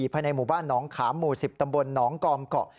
ภายในหมู่บ้านหนองขามหมู่๑๐ตำบลหนองกอมเกาะ